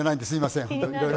すみません。